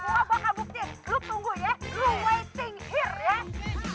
gua bakal buktikan lu tunggu ya lu waiting here ya